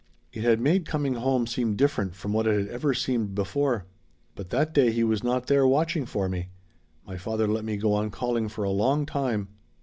It had made coming home seem different from what it had ever seemed before. But that day he was not there watching for me. My father let me go on calling for a long time.